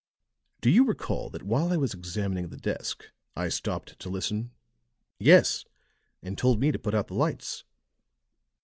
"Do you recall that while I was examining the desk I stopped to listen?" "Yes, and told me to put out the lights."